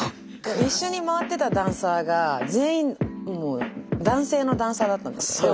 一緒に回ってたダンサーが全員男性のダンサーだったんですよ。